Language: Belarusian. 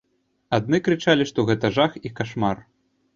Адны крычалі, што гэта жах і кашмар.